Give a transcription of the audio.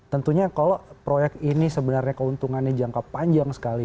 tentunya kalau proyek ini sebenarnya keuntungannya jangka panjang sekali